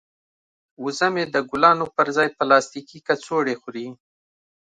وزه مې د ګلانو پر ځای پلاستیکي کڅوړې خوري.